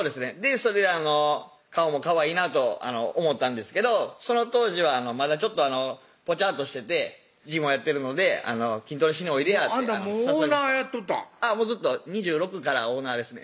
それで顔もかわいいなと思ったんですけどその当時はまだちょっとぽちゃっとしててジムをやってるので「筋トレしにおいでぇや」ってあんたもうオーナーやっとったんずっと２６からオーナーですね